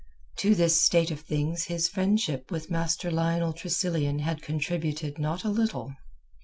To this state of things his friendship with Master Lionel Tressilian had contributed not a little.